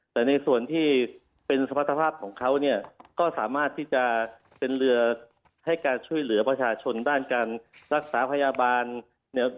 แต่ในส่วนที่เป็นสมรรถภาพของเขาเนี่ยก็สามารถที่จะเป็นเรือให้การช่วยเหลือประชาชนด้านการรักษาพยาบาลเนี่ย